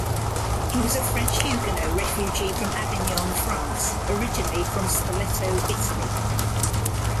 He was a French Huguenot refugee from Avignon, France, originally from Spoleto, Italy.